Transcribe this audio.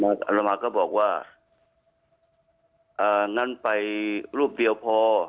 อารมาก็บอกว่าอ่างั้นไปรูปเดียวพอ